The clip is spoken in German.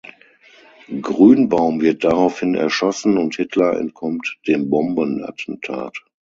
Grünbaum wird daraufhin erschossen, und Hitler entkommt dem Bombenattentat.